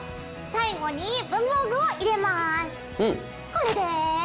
これで。